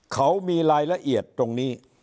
เขามีรายละเอียดตรงนี้